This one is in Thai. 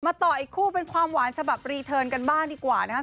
ต่ออีกคู่เป็นความหวานฉบับรีเทิร์นกันบ้างดีกว่านะครับ